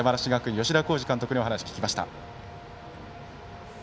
吉田洸二監督にお話を聞きました。